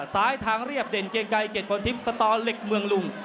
ทางเรียบเด่นเกียงไกรเกียรติพลทิพย์สตเหล็กเมืองลุง